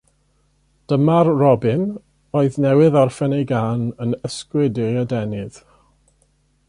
Dyma'r robin, oedd newydd orffen ei gân, yn ysgwyd ei adenydd.